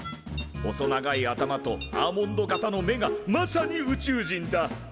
細長い頭とアーモンド形の目がまさに宇宙人だ。